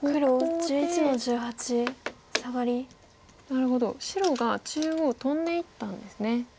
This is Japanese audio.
なるほど白が中央トンでいったんですね。